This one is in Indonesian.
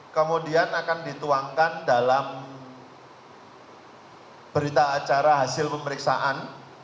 kemudian akan dituangkan dalam berita acara hasil pemeriksaan